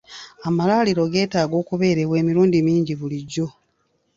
Amalwaliro geetaaga okuberebwa emirundi mingi bulijjo.